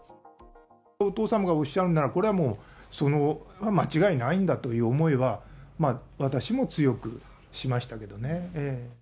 お父さまがおっしゃるなら、これはもう、それは間違いないんだという思いは、私も強くしましたけどね。